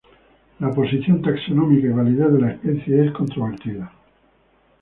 La posición taxonómica y validez de la especie es controvertida.